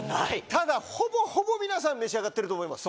ただほぼほぼ皆さん召し上がってると思います。